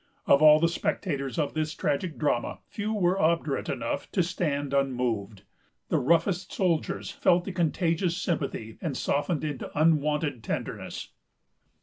Of all the spectators of this tragic drama, few were obdurate enough to stand unmoved. The roughest soldiers felt the contagious sympathy, and softened into unwonted tenderness.